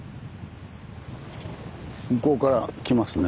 向こうから来ますね。